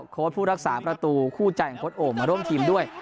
โค้ดผู้รักษาประตูคู่ใจของโค้ดโอ่งมาร่วมทีมด้วย